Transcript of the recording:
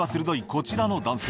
こちらの男性